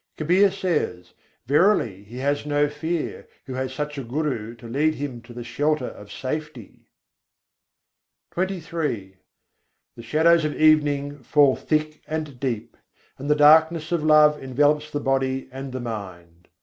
Kabîr says: "Verily he has no fear, who has such a Guru to lead him to the shelter of safety!" XXIII II. 40. tinwir sâñjh kâ gahirâ âwai The shadows of evening fall thick and deep, and the darkness of love envelops the body and the mind.